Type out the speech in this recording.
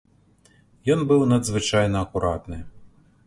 Ён быў надзвычайна акуратны.